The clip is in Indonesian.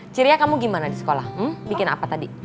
cirinya kamu gimana di sekolah bikin apa tadi